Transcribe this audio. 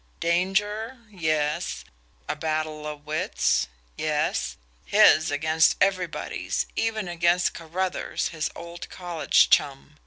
Danger? Yes. A battle of wits? Yes. His against everybody's even against Carruthers', his old college chum!